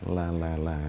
là là là